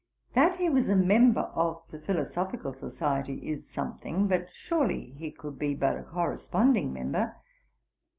That he was a member of the Philosophical Society is something; but surely he could be but a corresponding member.